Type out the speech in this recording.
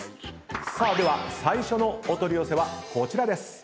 さあでは最初のお取り寄せはこちらです。